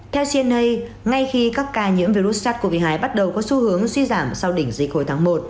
theo cn ngay khi các ca nhiễm virus sars cov hai bắt đầu có xu hướng suy giảm sau đỉnh dịch hồi tháng một